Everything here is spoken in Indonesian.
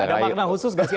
ada makna khusus gak sih